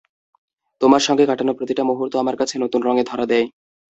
তোমার সঙ্গে কাটানো প্রতিটা মুহূর্ত আমার কাছে নতুন রঙে ধরা দেয়।